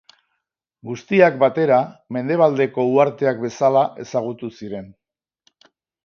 Guztiak batera, Mendebaldeko uharteak bezala ezagutu ziren.